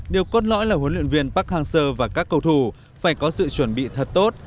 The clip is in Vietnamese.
điều cốt lõi là huấn luyện viên park hang seo và các cầu thủ phải có sự chuẩn bị thật tốt